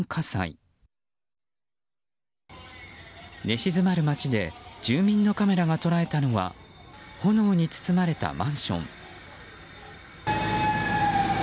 寝静まる街で住民のカメラが捉えたのは炎に包まれたマンション。